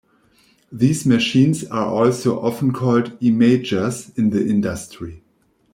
These machines are also often called "imagers" in the industry.